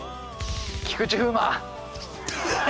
菊池風磨！